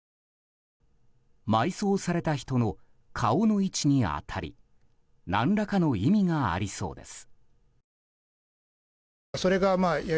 埋葬された人の顔の位置に当たり何らかの意味がありそうです。